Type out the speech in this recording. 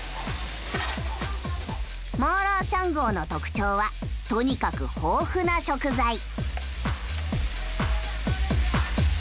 マーラーシャングオの特徴はとにかく豊富な食材。